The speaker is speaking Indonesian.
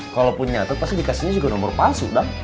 kalaupun nyatet pasti dikasihnya juga nomor palsu dong